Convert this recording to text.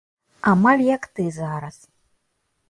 Амаль як ты зараз.